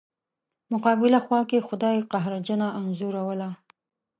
مقابله خوا کې خدای قهرجنه انځوروله.